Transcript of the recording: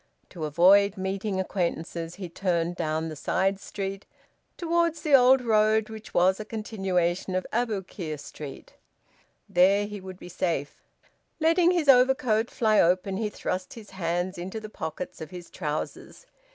To avoid meeting acquaintances he turned down the side street, towards the old road which was a continuation of Aboukir Street. There he would be safe. Letting his overcoat fly open, he thrust his hands into the pockets of his trousers.